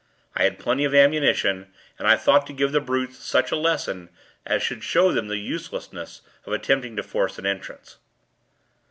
I had plenty of ammunition, and I thought to give the brutes such a lesson, as should show them the uselessness of attempting to force an entrance.